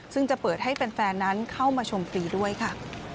ซึ่งจะเปิดให้แฟนนั้นเข้ามาชมฟรีด้วยค่ะ